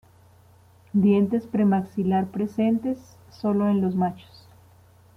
Dientes premaxilar presentes solo en los machos.